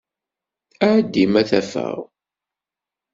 Ɛeddi ma ad t-afeɣ.